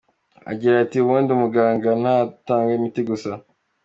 Agira ati “Ubundi umuganga ntatanga imiti gusa.